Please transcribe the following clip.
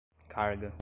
carga